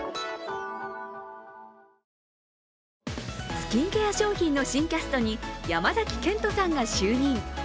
スキンケア商品の新キャストに山崎賢人さんが就任。